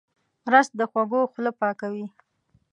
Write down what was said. رس د خوږو خوله پاکوي